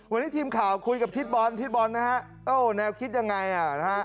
วันนี้ทีมข่าวคุยกับทิศบอลทิศบอลนะฮะเออแนวคิดยังไงอ่ะนะฮะ